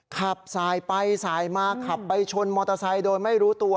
ขับสายไปสายมาขับไปชนมอเตอร์ไซค์โดยไม่รู้ตัว